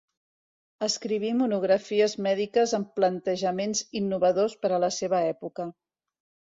Escriví monografies mèdiques amb plantejaments innovadors per a la seva època.